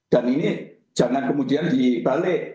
dan ini jangan kemudian dibalik